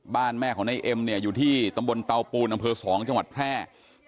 บ้านแม่ของนายเอ็มอยู่ที่ตำบลเตาปูนอสองจแพร่